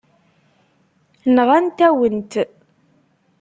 Nɣant-awen-t.